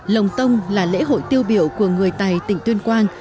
lồng tông là lễ hội tiêu biểu của người tày tỉnh tuyên quang